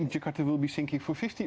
saya pikir jakarta akan mengejar